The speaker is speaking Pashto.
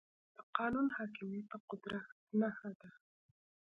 د قانون حاکميت د قدرت نښه ده.